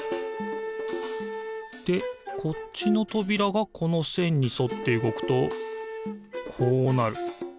でこっちのとびらがこのせんにそってうごくとこうなる。